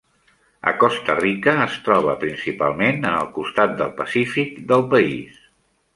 A Costa Rica, es troba principalment en el costat del Pacífic del país.